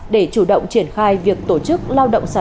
để chủ động triển khai việc tổ chức lao động phòng tỏa